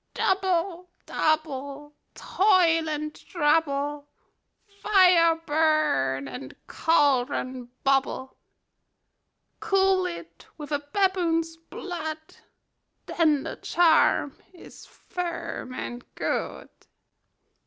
ALL. Double, double, toil and trouble; Fire, burn; and cauldron, bubble. SECOND WITCH. Cool it with a baboon's blood. Then the charm is firm and good.